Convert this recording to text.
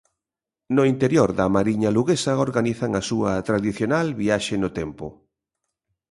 No interior da Mariña luguesa organizan a súa tradicional viaxe no tempo.